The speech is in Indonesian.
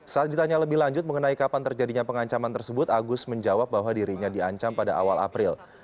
saat ditanya lebih lanjut mengenai kapan terjadinya pengancaman tersebut agus menjawab bahwa dirinya diancam pada awal april